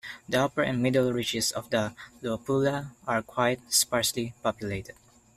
The upper and middle reaches of the Luapula are quite sparsely populated.